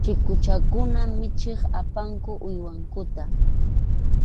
Chikuchakuna michiq apaqku uywankuta.